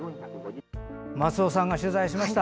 松尾さんが取材しました。